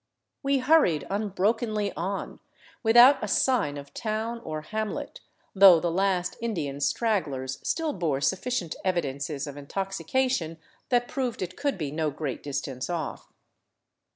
We hurried unbrokenly on, without a sign of town or hamlet, though the last Indian stragglers still bore sufficient evidences of intoxication that proved it could be no great distance off.